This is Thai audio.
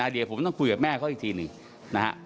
เดี๋ยวผมต้องคุยกับแม่เขาอีกทีหนึ่งนะฮะ